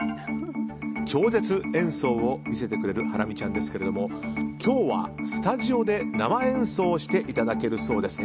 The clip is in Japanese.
超絶演奏を見せてくれるハラミちゃんですが今日はスタジオで生演奏をしていただけるそうです。